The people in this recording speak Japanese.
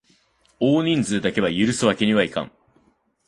多人数だけは許すわけにはいかん！